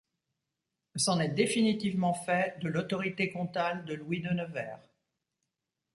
C'en est définitivement fait de l'autorité comtale de Louis de Nevers.